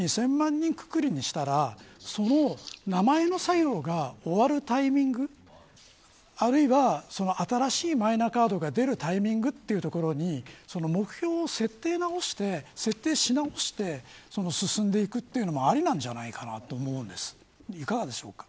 人くくりにしたらその名前の作業が終わるタイミングあるいは新しいマイナカードが出るタイミングというところに目標を設定し直して進んでいくというのもありなんじゃないかと思うんです。